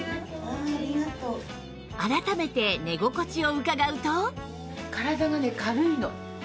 改めて寝心地を伺うと